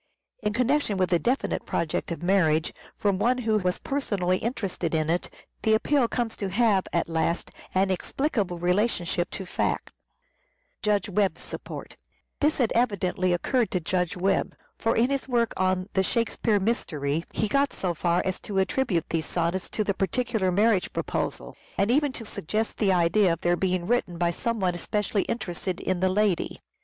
In connection with a definite project of marriage, from one who was personally interested in it, the appeal comes to have, at last, an explicable relationship to fact. This had evidently occurred to Judge Webb ; for judge in his work on " The Shakespeare Mystery," he got Webb's J J support. so far as to attribute these sonnets to the particular marriage proposal, and even to suggest the idea of their being written by some one specially interested in the lady.